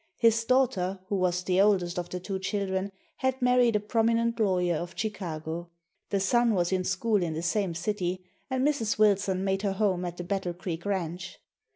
His daughter, who was the oldest of the two children, had married a prominent lawyer of Chicago. The son was in school in the same city, and Mrs. Wilson made her home at the Battle Creek ranch.